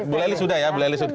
bu lely sudah ya